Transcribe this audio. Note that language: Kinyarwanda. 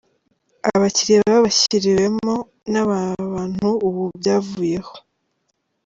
Abakiriya babishyiriwemo n’abo bantu ubu byavuyeho.